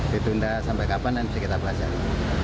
ditunda sampai kapan nanti kita pelajari